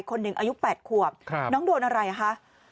คนหนึ่งอายุ๘ขวบน้องโดนอะไรอ่ะคะ